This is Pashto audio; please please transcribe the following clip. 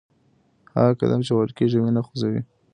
هغه قدم چې وهل کېږي وینه خوځوي.